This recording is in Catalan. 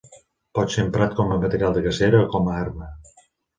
Pot ser emprat com a material de cacera o com a arma.